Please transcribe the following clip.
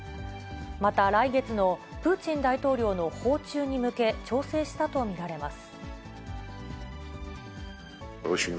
また、来月のプーチン大統領の訪中に向け、調整したと見られます。